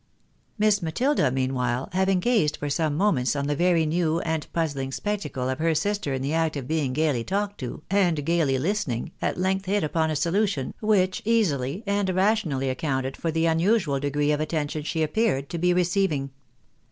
Miss Matilda, meanwhile, having gazed for some moments on the very new and puzzling spectacle of her sister in the act of being gaily talked to, and gaily listening, at length hit upon a solution, which easily and rationally accounted for the unusual degree of attention she appeared to be receiving.